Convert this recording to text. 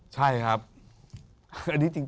ใช่ครับอันนี้จริงนะ